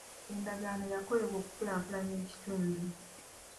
Endagaano yakolebwa okukulaakulanya ekitundu.